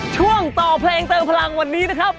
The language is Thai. ช่วงต่อเพลงเติมพลังวันนี้นะครับ